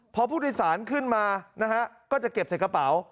พอผู้โดยสารขึ้นมานะฮะก็จะเก็บใส่กระเป๋า